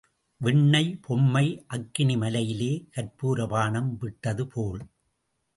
வெண்ணெய்ப் பொம்மை, அக்கினி மலையிலே கற்பூர பாணம் விட்டது போல்.